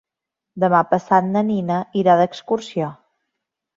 Demà passat na Nina irà d'excursió.